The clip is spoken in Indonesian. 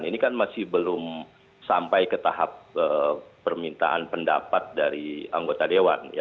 ini kan masih belum sampai ke tahap permintaan pendapat dari anggota dewan